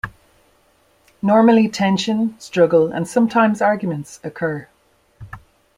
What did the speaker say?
Normally tension, struggle and sometimes arguments occur.